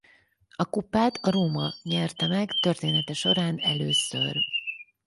A kupát a Roma nyerte meg története során először.